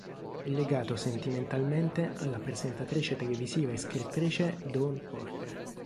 È legato sentimentalmente alla presentatrice televisiva e scrittrice Dawn Porter.